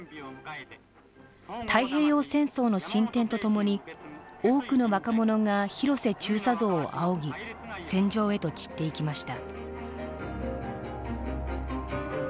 太平洋戦争の進展とともに多くの若者が広瀬中佐像を仰ぎ戦場へと散っていきました。